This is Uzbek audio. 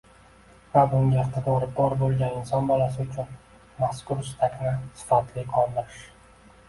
va bunga iqtidori bor bo‘lgan inson bolasi uchun mazkur istakni sifatli qondirish